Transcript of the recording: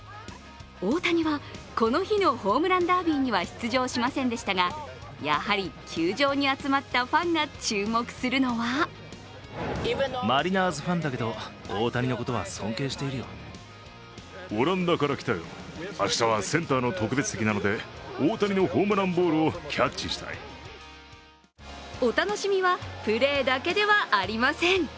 大谷は、この日のホームランダービーには出場しませんでしたがやはり球場に集まったファンが注目するのはお楽しみはプレーだけではありません。